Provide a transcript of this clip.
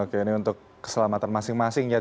oke ini untuk keselamatan masing masing ya